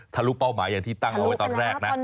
ทะลุเป้าหมายอย่างที่ตั้งเอาไว้ตอนแรกนะ